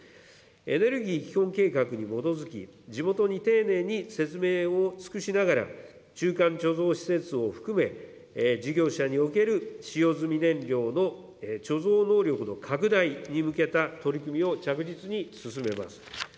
エネルギー基本計画に基づき、地元に丁寧に説明を尽くしながら、中間貯蔵施設を含め、事業者における使用済み燃料の貯蔵能力の拡大に向けた取り組みを着実に進めます。